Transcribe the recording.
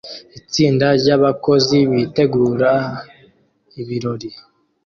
Itsinda ryabakozi bitegura ibirori